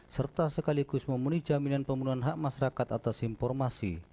serta sekaligus memenuhi jaminan pemenuhan hak masyarakat atas informasi